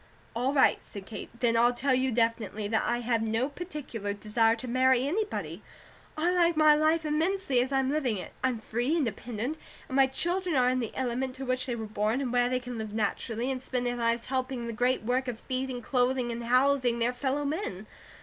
"All right," said Kate. "Then I'll tell you definitely that I have no particular desire to marry anybody; I like my life immensely as I'm living it. I'm free, independent, and my children are in the element to which they were born, and where they can live naturally, and spend their lives helping in the great work of feeding, clothing, and housing their fellow men.